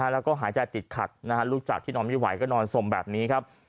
แล้วก็หายใจติดขัดลูกจากที่นอนไม่ไหวก็นอนสมแบบนี้ครับ